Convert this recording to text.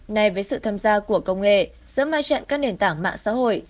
này với sự tham gia của công nghệ giữa ma trận các nền tảng mạng xã hội